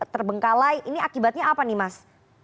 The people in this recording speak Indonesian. terbengkalai ini akibatnya apa nih mas